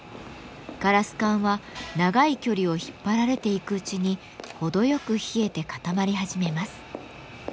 ガラス管は長い距離を引っ張られていくうちに程よく冷えて固まり始めます。